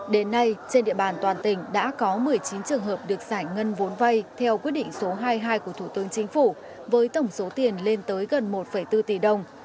đến nay trên địa bàn toàn tỉnh đã có một mươi chín trường hợp được giải ngân vốn vay theo quyết định số hai mươi hai của thủ tướng chính phủ với tổng số tiền lên tới gần một bốn tỷ đồng